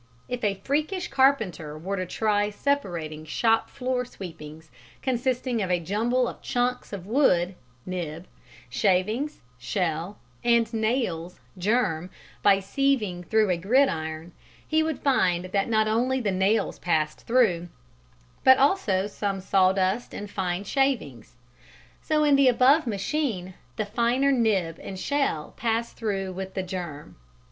If a freakish carpenter were to try separating shop floor sweepings, consisting of a jumble of chunks of wood (nib), shavings (shell) and nails (germ) by sieving through a grid iron, he would find that not only the nails passed through but also some sawdust and fine shavings. So in the above machine the finer nib and shell pass through with the germ.